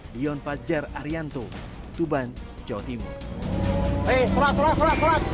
dion fajar arianto tuban jawa timur